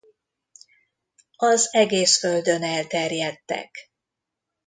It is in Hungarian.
Az egész földön elterjedtek.